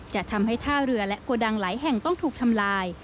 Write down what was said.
จะทำให้ท่าเรือและโกดังหลายแห่งต้องถูกทำลาย